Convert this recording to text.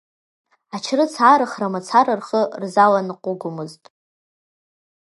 Ачарыц аарыхра мацара рхы рзаланыҟугомызт.